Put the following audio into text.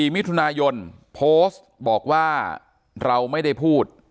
มิถุนายนโพสต์บอกว่าเราไม่ได้พูด